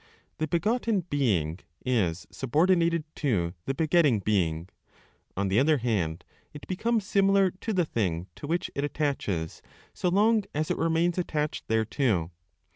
The begotten (being) is subordinated to the begetting (being). On the other hand, it becomes similar to the thing to which it attaches, so long as it remains attached thereto.